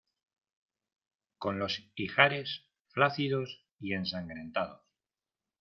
con los ijares flácidos y ensangrentados